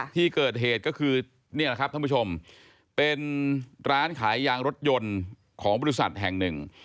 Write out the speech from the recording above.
ที่เกิดเหตุก็คือนี่แหละครับท่านผู้ชมเป็นร้านขายยางรถยนต์ของบริษัทแห่งหนึ่ง